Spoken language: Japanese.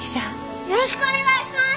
よろしくお願いします！